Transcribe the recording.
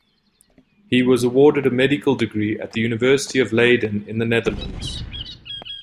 He was awarded a medical degree at the University of Leiden in the Netherlands.